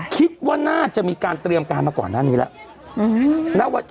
คิดว่าน่าจะมีการเตรียมการมาก่อนหน้านี้แล้ว